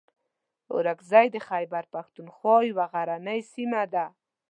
اورکزۍ د خیبر پښتونخوا یوه غرنۍ سیمه ده.